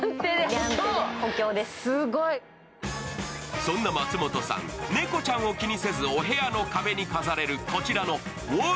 そんな松本さん、猫ちゃんを気にせずお部屋の壁に飾れるこちらのウオール